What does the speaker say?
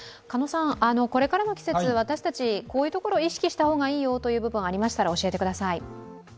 これからの季節、私たち、こういうところ意識したらいいよという部分がありましたら教えてください。